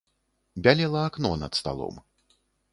Бялела акно над сталом.